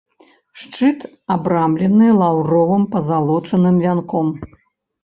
Шчыт абрамлены лаўровым пазалочаным вянком.